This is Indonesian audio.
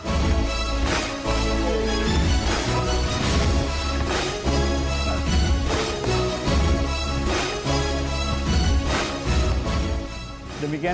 nggak mu ke kanan